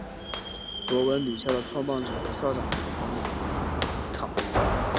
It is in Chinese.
博文女校的创办者和校长是黄侃。